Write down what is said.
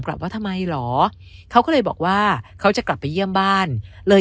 กลับว่าทำไมเหรอเขาก็เลยบอกว่าเขาจะกลับไปเยี่ยมบ้านเลย